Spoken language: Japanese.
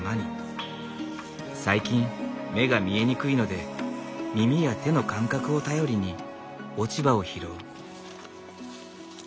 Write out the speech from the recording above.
最近目が見えにくいので耳や手の感覚を頼りに落ち葉を拾う。